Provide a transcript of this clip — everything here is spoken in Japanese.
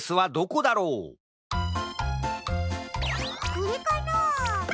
これかな？